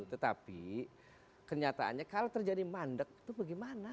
tetapi kenyataannya kalau terjadi mandek itu bagaimana